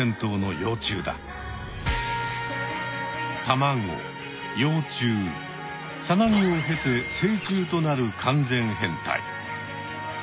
たまご幼虫さなぎを経て成虫となる完全変態。